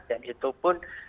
dan itu pun